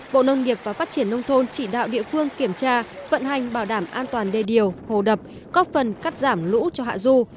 bộ nông nghiệp và phát triển nông thôn chỉ đạo địa phương kiểm tra vận hành bảo đảm an toàn đề điều hồ đập góp phần cắt giảm lũ cho hạ du